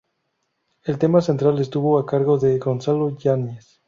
El tema central estuvo a cargo de Gonzalo Yáñez.